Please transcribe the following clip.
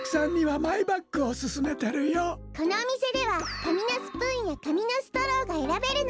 このおみせではかみのスプーンやかみのストローがえらべるの。